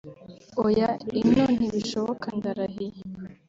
Oya ino ntibishoboka ndarahiye”